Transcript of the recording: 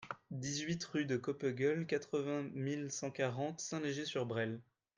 dix-huit rue de Coppegueule, quatre-vingt mille cent quarante Saint-Léger-sur-Bresle